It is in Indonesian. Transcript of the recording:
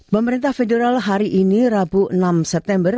pemerintah federal hari ini rabu enam september